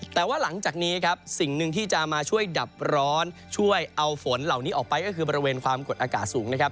แต่ว่าหลังจากนี้ครับสิ่งหนึ่งที่จะมาช่วยดับร้อนช่วยเอาฝนเหล่านี้ออกไปก็คือบริเวณความกดอากาศสูงนะครับ